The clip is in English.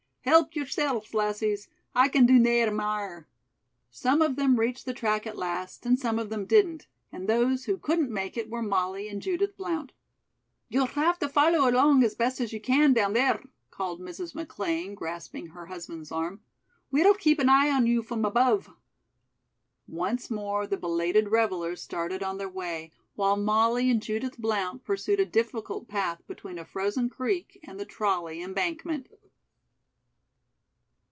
"Help yoursel's, lassies. I can do nae mair." Some of them reached the track at last and some of them didn't, and those who couldn't make it were Molly and Judith Blount. "You'll have to follow along as best you can down there," called Mrs. McLean, grasping her husband's arm. "We'll keep an eye on you from above." Once more the belated revellers started on their way, while Molly and Judith Blount pursued a difficult path between a frozen creek and the trolley embankment.